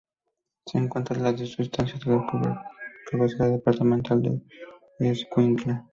Se encuentra a una distancia de la cabecera departamental Escuintla.